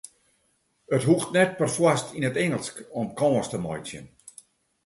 It hoecht net perfoarst yn it Ingelsk om kâns te meitsjen.